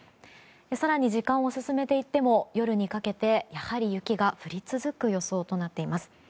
更に時間を進めていっても夜にかけてやはり雪が降り続く予想となっています。